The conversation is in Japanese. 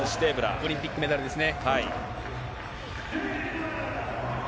オリンピックメダルですね。